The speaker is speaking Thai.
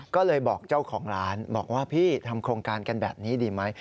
ก็เลยบอกเจ้าของร้านบอกว่าพี่ทำโครงการกันแบบนี้ดีไหม